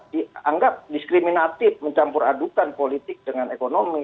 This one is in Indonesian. dianggap diskriminatif mencampur adukan politik dengan ekonomi